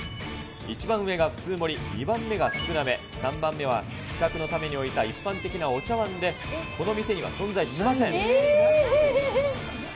一番上が普通盛り、２番目が少なめ、３番目は比較のために置いた一般的なお茶わんでこの店には存在しません。